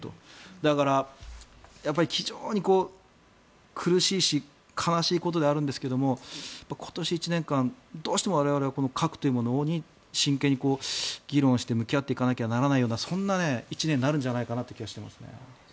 だから、非常に苦しいし悲しいことであるんですけど今年１年間どうしても我々は核というものに真剣に議論して向き合っていかなければならないようなそんな１年になるんじゃないかなという気がしていますね。